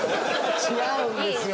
違うんですよ。